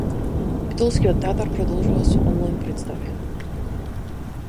Битолскиот театар продолжува со онлајн претстави